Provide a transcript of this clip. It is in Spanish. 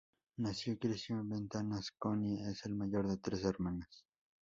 Nació y creció en Ventanas, Connie es la mayor de tres hermanas.